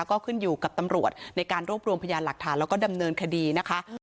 ก็ขึ้นอยู่กับตำรวจในการรวบรวมพยานหลักฐานแล้วก็ดำเนินคดีนะคะ